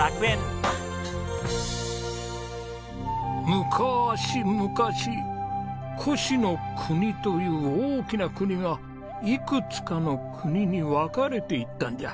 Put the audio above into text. むかーし昔越国という大きな国がいくつかの国に分かれていったんじゃ。